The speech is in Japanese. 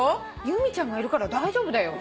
「由美ちゃんがいるから大丈夫だよ」